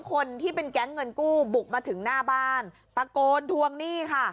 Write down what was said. คนที่เป็นแก๊งเงินกู้บุกมาถึงหน้าบ้านตะโกนทวงหนี้ค่ะ